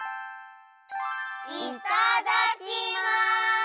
いただきます！